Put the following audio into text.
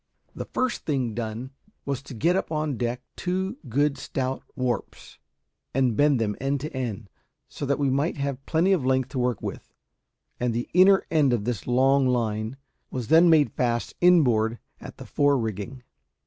The first thing done was to get up on deck two good stout warps, and bend them end to end, so that we might have plenty of length to work with; and the inner end of this long line was then made fast inboard at the fore rigging.